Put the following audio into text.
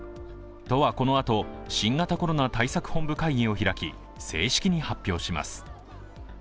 都はこのあと、新型コロナ対策本部会議を開き、正式に発表します。